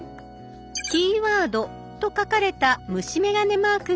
「キーワード」と書かれた虫眼鏡マークがあります。